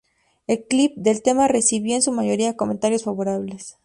El "clip" del tema recibió en su mayoría comentarios favorables.